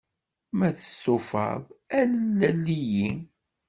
Ma testufaḍ, alel-iyi.